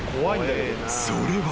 ［それは］